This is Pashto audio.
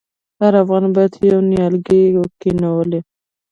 هر افغان باید یو نیالګی کینوي؟